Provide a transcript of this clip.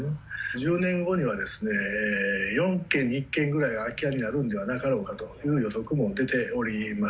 １０年後には、４軒に１軒ぐらいが空き家になるんではなかろうかという予測も出ております。